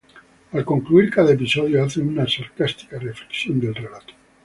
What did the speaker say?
Al concluir cada episodio hace una sarcástica reflexión del relato.